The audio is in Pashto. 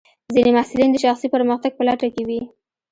ځینې محصلین د شخصي پرمختګ په لټه کې وي.